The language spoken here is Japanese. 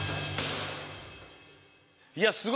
いやすごい。